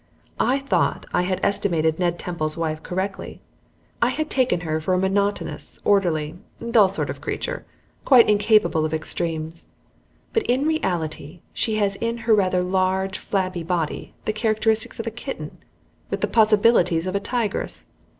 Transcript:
I thought I had estimated Ned Temple's wife correctly. I had taken her for a monotonous, orderly, dull sort of creature, quite incapable of extremes; but in reality she has in her rather large, flabby body the characteristics of a kitten, with the possibilities of a tigress.